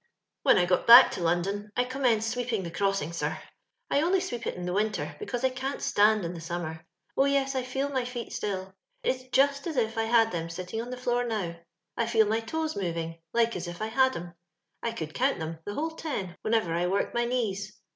'x When Z got bade to LoDdon, I « sweeping the eroasin', afar. I on^ swaep itin the winter, because I can't atand in the samracr. Oh, yes, I feel my ibet still: xtisjnalaijfl had them sittinff on the floor, now. ItaAmf toes moving, tike as if I had 'em. I eoald count them, the whole ten, whenerer I woric my knees.